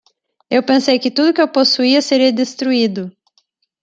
Eu pensei que tudo que eu possuía seria destruído.